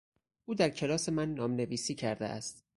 او در کلاس من نامنویسی کرده است.